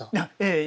ええ。